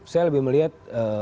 saya lebih melihat